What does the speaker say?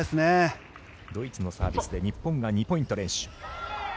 ドイツのサービスで日本が２ポイント連取。